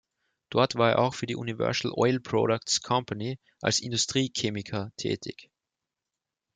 Dort war er auch für die "Universal Oil Products Company" als Industriechemiker tätig.